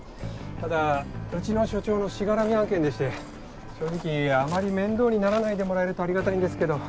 ただうちの署長のしがらみ案件でして正直あまり面倒にならないでもらえると有難いんですけど。